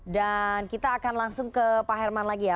dan kita akan langsung ke pak herman lagi ya